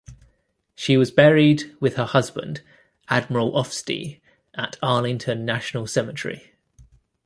She was buried with her husband, Admiral Ofstie, at Arlington National Cemetery.